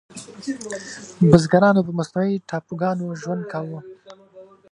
بزګرانو په مصنوعي ټاپوګانو ژوند کاوه.